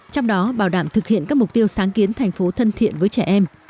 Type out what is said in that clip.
trong đó bảo đảm thực hiện các mục tiêu sáng kiến thành phố thân thiện với trẻ em